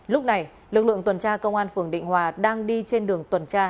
lúc này lực lượng tuần tra công an phường định hòa đang đi trên đường tuần tra